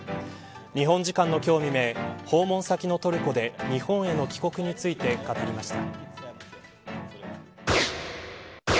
日本時間の今日未明訪問先のトルコで日本への帰国について語りました。